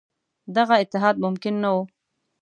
دغه اتحاد ممکن نه وو.